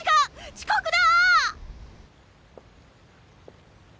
遅刻だ！